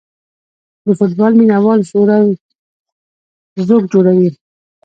د فوټبال مینه وال شور او ځوږ جوړوي.